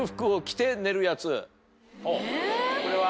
これは。